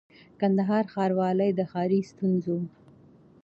کندهار ښاروالۍ د ښاري ستونزو